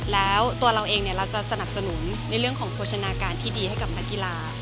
แล้วตัวเราเองเราจะสนับสนุนในเรื่องของโภชนาการที่ดีให้กับนักกีฬา